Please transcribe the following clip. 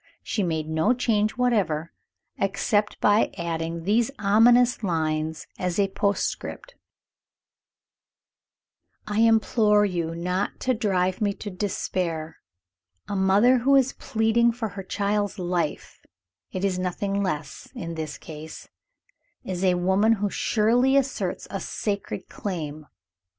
She made no change whatever, except by adding these ominous lines as a postscript: "I implore you not to drive me to despair. A mother who is pleading for her child's life it is nothing less, in this case is a woman who surely asserts a sacred claim.